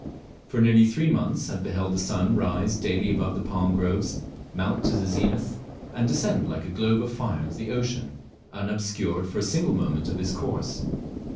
For nearly three months had beheld the sun rise daily above the palm groves, mount to the zenith, and descend like a globe of fire into the ocean, unobscured for a single moment of his course.